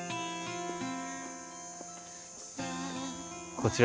こちら。